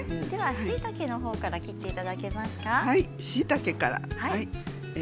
しいたけから切っていただけますか？